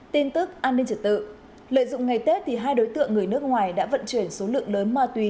tin tức an ninh trật tự lợi dụng ngày tết thì hai đối tượng người nước ngoài đã vận chuyển số lượng lớn ma túy